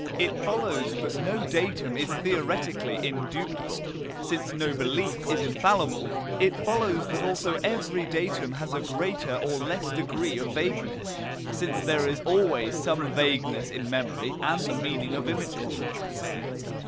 It follows that no datum is theoretically indubitable, since no belief is infallible; it follows also that every datum has a greater or less degree of vagueness, since there is always some vagueness in memory and the meaning of images.